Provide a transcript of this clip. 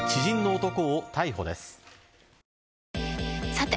さて！